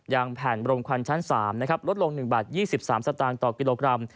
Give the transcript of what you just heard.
อย่างแผ่นบรมควันชั้น๓ลดลง๑บาท๒๓สตางค์ต่อกิโลกรัม